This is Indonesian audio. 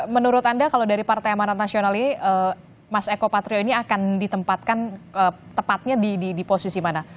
menurut anda kalau dari partai amanat nasional ini mas eko patrio ini akan ditempatkan tepatnya di posisi mana